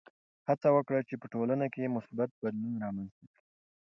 هڅه وکړه چې په ټولنه کې مثبت بدلون رامنځته کړې.